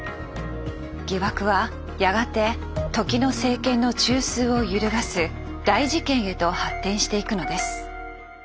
疑惑はやがて時の政権の中枢を揺るがす大事件へと発展していくのです。